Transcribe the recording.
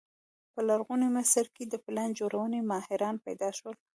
په لرغوني مصر کې د پلان جوړونې ماهران پیدا شول.